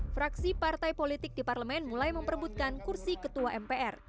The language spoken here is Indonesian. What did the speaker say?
fraksi partai politik di parlemen mulai memperbutkan kursi ketua mpr